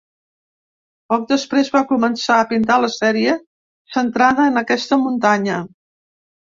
Poc després, va començar a pintar la sèrie centrada en aquesta muntanya.